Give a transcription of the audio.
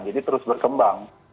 jadi terus berkembang